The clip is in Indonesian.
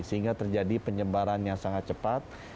sehingga terjadi penyebaran yang sangat cepat